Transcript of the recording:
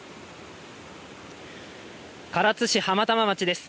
唐津市浜玉町です。